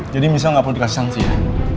jadi misal gak perlu dikasih sanksi ya